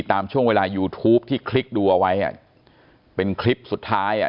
ตามช่วงเวลายูทูปที่คลิกดูเอาไว้อ่ะเป็นคลิปสุดท้ายอ่ะ